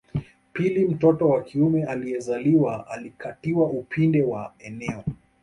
Pili mtoto wa kiume aliyezaliwa alikatiwa upinde wa eneo